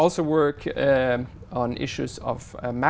có kết quả